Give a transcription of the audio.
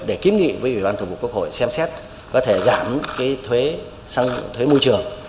để kiếm nghị với ủy ban thủ vụ quốc hội xem xét có thể giảm cái thuế môi trường